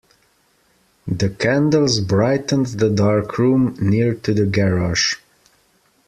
The candles brightened the dark room near to the garage.